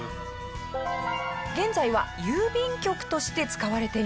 現在は郵便局として使われています。